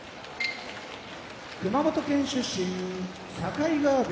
熊本県出身境川部屋